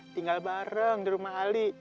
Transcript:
tinggal bareng di rumah ali